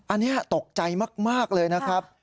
อันนี้ตกใจมากเลยนะครับ